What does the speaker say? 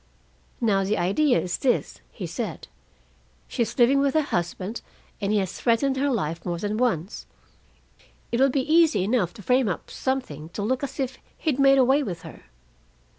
"'Now the idea is this,' he said. 'She's living with her husband, and he has threatened her life more than once. It would be easy enough to frame up something to look as if he'd made away with her.